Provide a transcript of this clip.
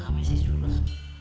sama si sulam